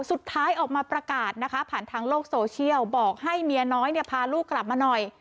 สุดท้ายออกมาประกาศนะคะผ่านทางโลกโซเชียลบอกให้เมียน้อยเนี่ยพาลูกกลับมาหน่อย